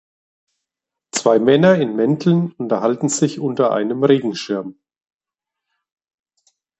Zwei Männer in Mänteln unterhalten sich unter einem Regenschirm.